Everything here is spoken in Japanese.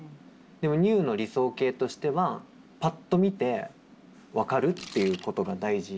でもＮｅｗの理想形としてはパッと見て分かるっていうことが大事。